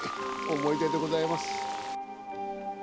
思い出でございます。